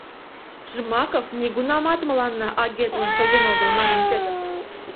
Жмаков нигунамат мыланна агентлан шоген огыл, — манын Пӧтыр.